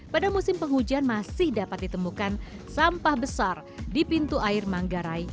pada musim penghujan masih dapat ditemukan sampah besar di pintu air manggarai